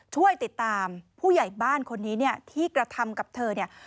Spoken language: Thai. ช่วยติดตามผู้ใหญ่บ้านคนนี้ที่กระทำกับเธอ